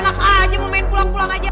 enak aja mau main pulang pulang aja